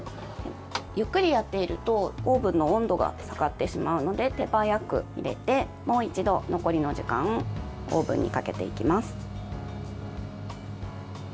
ゆっくりやっているとオーブンの温度が下がってしまうので手早く入れてもう一度、残りの時間オーブンにかけていきます。